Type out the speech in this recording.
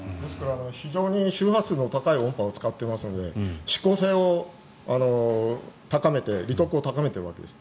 非常に周波数の高い音波を使っていますので指向性を高めているわけです。